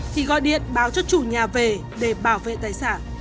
thì gọi điện báo cho chủ nhà về để bảo vệ tài sản